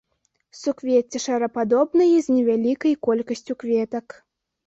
Суквецце шарападобнае, з невялікай колькасцю кветак.